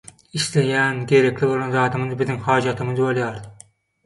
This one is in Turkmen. Isleýän, gerekli bolan zadymyz biziň hajatymyz bolýar.